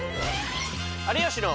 「有吉の」。